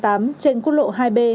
trên quốc lộ hai b